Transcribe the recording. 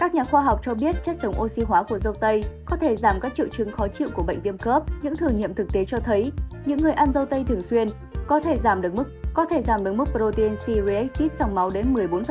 những thử nghiệm thực tế cho thấy những người ăn dâu tây thường xuyên có thể giảm đứng mức protein c reactive trong máu đến một mươi bốn